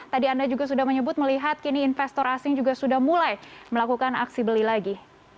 tadi anda juga sudah menyebut melihat kini investor asing juga sudah mulai melakukan aksi beli lagi